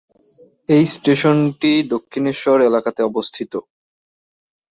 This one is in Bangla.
এই স্টেশনটি দক্ষিণেশ্বর এলাকাতে অবস্থিত।